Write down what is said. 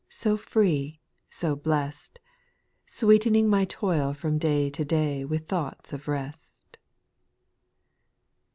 So free, so blest I Sweetening my toil from day to day With thoughts of rest.